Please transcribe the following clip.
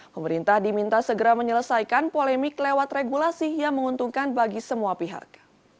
pemerintah diminta segera menyelesaikan polemik lewat regulasi yang menguntungkan bagi semua pihak